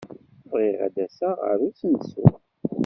Bɣiɣ ad d-aseɣ ɣer usensu.